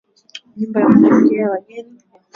Nyumba ya kupokea ba geni niya kubarikiwa sana